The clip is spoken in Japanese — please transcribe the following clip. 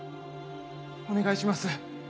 お願いします。